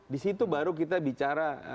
di situ baru kita bicara